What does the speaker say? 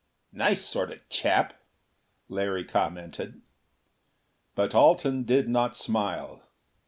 "Nice sort of chap," Larry commented. But Alten did not smile.